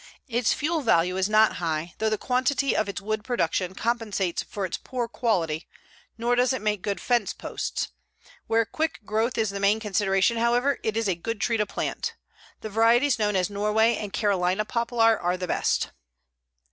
Its fuel value is not high, though the quantity of its wood production compensates for its poor quality, nor does it make good fence posts. Where quick growth is the main consideration, however, it is a good tree to plant. The varieties known as Norway and Carolina poplar are the best.